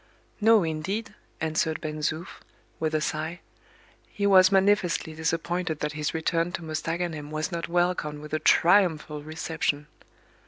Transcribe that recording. "No, indeed," answered Ben Zoof, with a sigh; he was manifestly disappointed that his return to Mostaganem was not welcomed with a triumphal reception.